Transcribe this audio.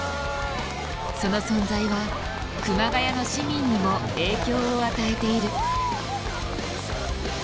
その存在は熊谷の市民にも影響を与えている。